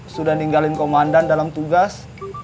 sudah ninggalin komandan dalam tugas